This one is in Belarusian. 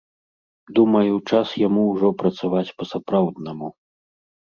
Думаю, час яму ўжо працаваць па-сапраўднаму.